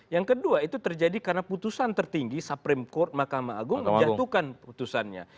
yang kedua itu terjadi karena putusan tertinggi supreme court mahkamah agung menjatuhkan putusannya